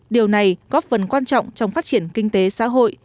điều này góp phần quan trọng trong phát triển kinh tế xã hội